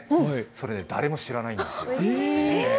それね、誰も知らないんですよ。